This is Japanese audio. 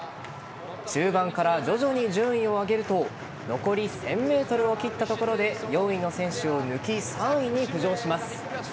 中盤から徐々に順位を上げると残り１０００ｍを切ったところで４位の選手を抜き３位に浮上します。